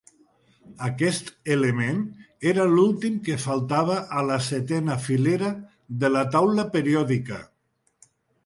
Aquest element era l'últim que faltava a la setena filera de la taula periòdica.